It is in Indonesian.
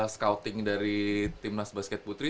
scouting dari timnas basket putri